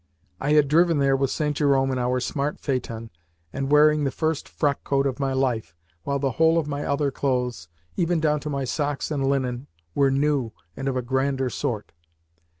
I had driven there with St. Jerome in our smart phaeton and wearing the first frockcoat of my life, while the whole of my other clothes even down to my socks and linen were new and of a grander sort.